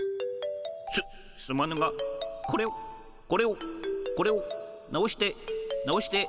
すすまぬがこれをこれをこれを直して直して。